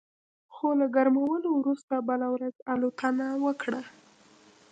خو له ګرمولو وروسته بله ورځ الوتنه وکړه